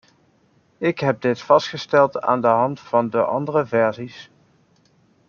Ik heb dit vastgesteld aan de hand van de andere versies.